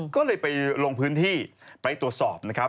ก็เลยไปลงพื้นที่ไปตรวจสอบนะครับ